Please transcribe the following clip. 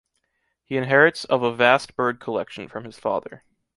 He inherits of a vast bird collection from his father.